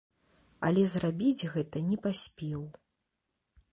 Але зрабіць гэта не паспеў.